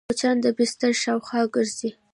مچان د بستر شاوخوا ګرځي